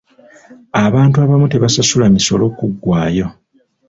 Abantu abamu tebasasula misolo kuggwayo.